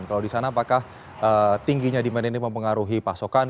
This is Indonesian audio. kalau di sana apakah tingginya demand ini mempengaruhi pasokan